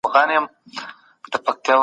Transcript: علوم په کُلي ډول پر دوو برخو وېشل سوي دي.